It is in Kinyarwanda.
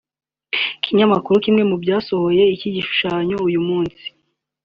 Ikinyamakuru kimwe mu byasohoye icyo gishushanyo uyu munsi